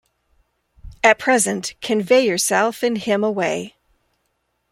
At present, convey yourself and him away.